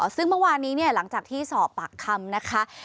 ซึ่งเมื่อวานนี้เนี่ยหลังจากที่สอบปากคำนะคะ